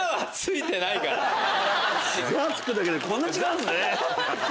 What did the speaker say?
「ザ」付くだけでこんな違うんすね。